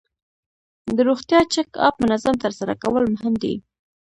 د روغتیا چک اپ منظم ترسره کول مهم دي.